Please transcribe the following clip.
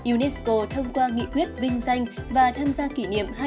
unesco thông qua nghị quyết vinh danh và tham gia kỷ niệm